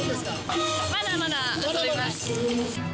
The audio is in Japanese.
まだまだ遊びます。